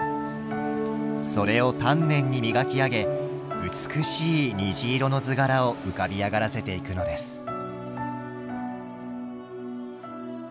それを丹念に磨き上げ美しい虹色の図柄を浮かび上がらせていくのです。